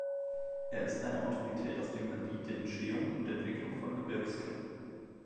Er ist eine Autorität auf dem Gebiet der Entstehung und Entwicklung von Gebirgsketten.